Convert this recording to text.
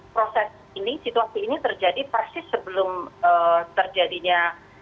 proses ini situasi ini terjadi persis sebelum terjadinya